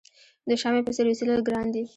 د شمعې په څېر اوسېدل ګران دي.